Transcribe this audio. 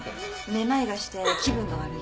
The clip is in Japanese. めまいがして気分が悪いと。